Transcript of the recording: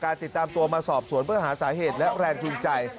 ติดตามตัวมาสอบสวนเพื่อหาสาเหตุและแรงจูงใจ